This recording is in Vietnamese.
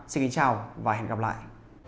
xin kính chào và hẹn gặp lại